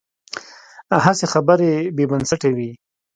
هسې خبرې بې بنسټه وي.